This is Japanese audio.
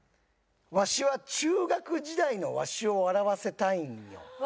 わしは中学時代のわしを笑わせたいんよ。